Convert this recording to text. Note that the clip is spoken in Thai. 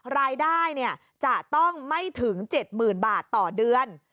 รายได้จะต้องไม่ถึง๗๐๐๐บาทต่อเดือน